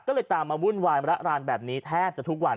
ก็เลยตามมาวุ่นวายมระรานแบบนี้แทบจะทุกวัน